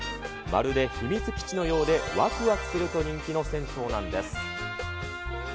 まるで秘密基地のようでわくわくすると人気の銭湯なんです。